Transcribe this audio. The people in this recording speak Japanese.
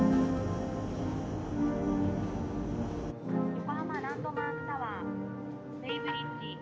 横浜ランドマークタワーベイブリッジ